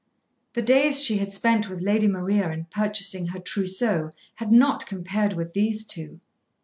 The days she had spent with Lady Maria in purchasing her trousseau had not compared with these two.